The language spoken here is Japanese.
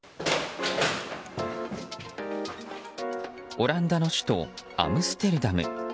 オランダの首都アムステルダム。